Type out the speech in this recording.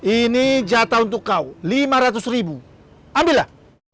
ini jatah untuk kau lima ratus ribu ambillah